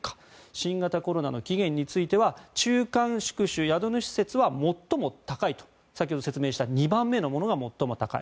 新型コロナの起源については中間宿主説については最も高いと先ほど説明した２番目のものが最も高い。